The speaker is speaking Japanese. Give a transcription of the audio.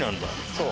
そう。